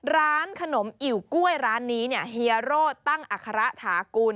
ร้านขนมอิวกล้วยร้านนี้เฮโร่ตั้งอาฆาระฐากุล